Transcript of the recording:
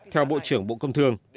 theo bộ trưởng bộ công thương